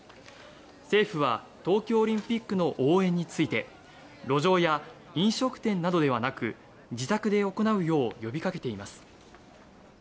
政府は東京オリンピックの応援について路上や飲食店などではなく自宅で行うよう呼びかけています。